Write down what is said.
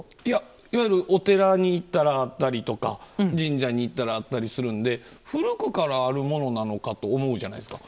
いわゆるお寺に行ったらあったりとか神社に行ったらあったりするので古くからあるものなのかと思うじゃないですか。